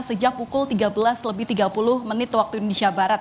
sejak pukul tiga belas lebih tiga puluh menit waktu indonesia barat